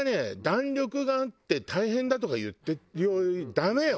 「弾力があって大変だ」とか言ってダメよ！